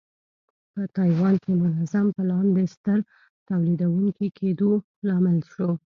په تایوان کې منظم پلان د ستر تولیدوونکي کېدو لامل شو.